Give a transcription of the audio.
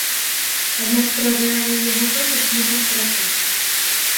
Аднак пра рэальную яго колькасць можна спрачацца.